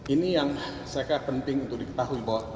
ini yang saya kata penting untuk diketahui